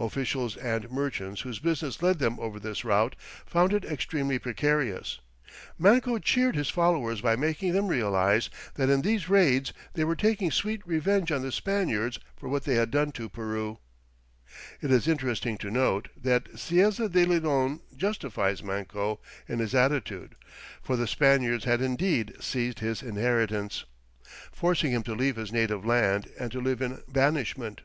Officials and merchants whose business led them over this route found it extremely precarious. Manco cheered his followers by making them realize that in these raids they were taking sweet revenge on the Spaniards for what they had done to Peru. It is interesting to note that Cieza de Leon justifies Manco in his attitude, for the Spaniards had indeed "seized his inheritance, forcing him to leave his native land, and to live in banishment."